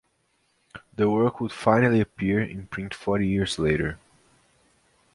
The work would finally appear in print forty years later.